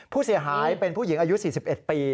ผู้เสียหายเป็นผู้หญิงอายุ๔๑ปี